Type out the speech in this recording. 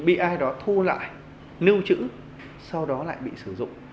bị ai đó thu lại nưu chữ sau đó lại bị sử dụng